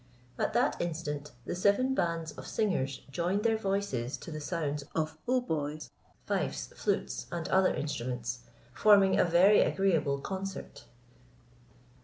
At that instant, the seven bands of singers joined their voices to the sound of hautboys, fifes, flutes, and other instruments, forming a very agreeable concert.